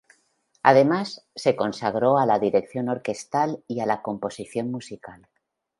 Además, se consagró a la dirección orquestal y a la composición musical.